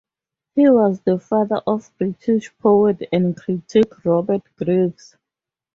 He was the father of British poet and critic Robert Graves.